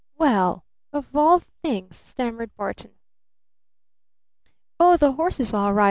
"Well of all things!" stammered Barton. "Oh, the horse is all right.